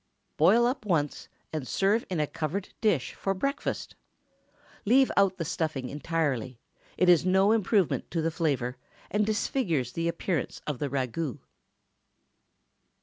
Boil up once, and serve in a covered dish for breakfast. Leave out the stuffing entirely; it is no improvement to the flavor, and disfigures the appearance of the ragoût.